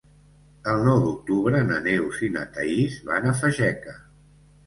El nou d'octubre na Neus i na Thaís van a Fageca.